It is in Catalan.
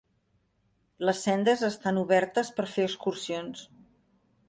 Les sendes estan obertes per fer excursions.